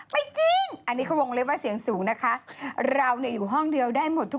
ไม่ใช่ปอยแล้วสวยจริงดู